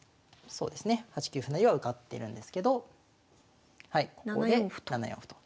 そうですね８九歩成は受かってるんですけどはいここで７四歩と。